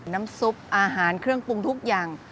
น้ำซุปอาหารเครื่องปรุงทุกอย่าง